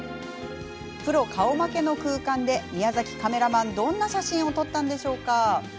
プロ顔負けの空間で宮崎カメラマンどんな写真を撮ったんでしょうか。